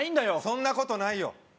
そんなことないよ